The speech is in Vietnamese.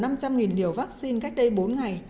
phân bổ năm trăm linh liều vaccine cách đây bốn ngày